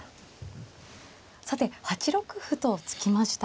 さて８六歩と突きました。